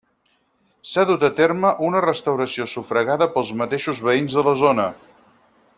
S'ha dut a terme una restauració sufragada pels mateixos veïns de la zona.